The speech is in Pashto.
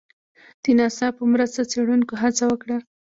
د ناسا په مرسته څېړنکو هڅه وکړه